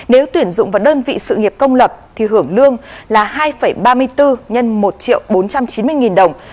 nếu tuyển dụng vào đơn vị sự nghiệp công lập thì hưởng lương là hai ba mươi bốn x một bốn trăm chín mươi nghìn đồng